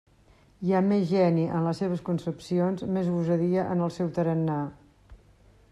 Hi ha més geni en les seves concepcions, més gosadia en el seu tarannà.